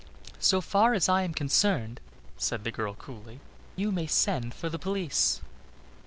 "So far as I am concerned," said the girl coolly, "you may send for the police."